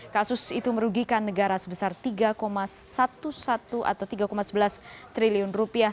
kasus itu merugikan negara sebesar tiga sebelas triliun rupiah